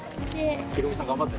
ヒロミさん、頑張って。